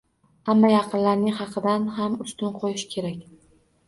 Hamma yaqinlarining haqqidan ham ustun qo‘yishi kerak.